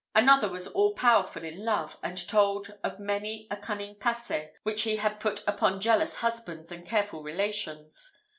Another was all powerful in love, and told of many a cunning passe which he had put upon jealous husbands and careful relations.